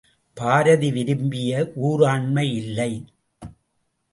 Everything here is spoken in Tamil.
பாரதி விரும்பிய ஊராண்மை இல்லை!